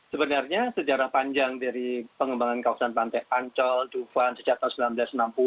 sebenarnya sejarah panjang dari pengembangan kawasan pantai ancol duvan sejak tahun seribu sembilan ratus enam puluh